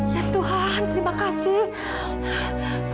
ya tuhan terima kasih